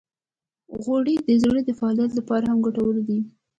غوړې د زړه د فعالیت لپاره هم ګټورې دي.